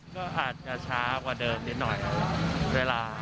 ก็อาจจะช้ากว่าเดิมนิดหน่อยเวลา